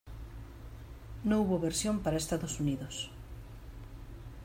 No hubo versión para Estados Unidos.